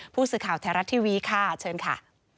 ผู้สื่อข่าวไทยรัฐทีวีค่ะเชิญค่ะ